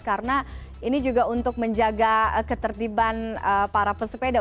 karena ini juga untuk menjaga ketertiban para pesepeda